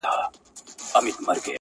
خپل لویې موږک ته اوه سره بلا سوه,